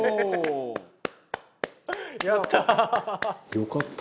「よかった」